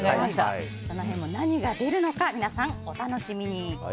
その辺も何が出るのか皆さん、お楽しみに。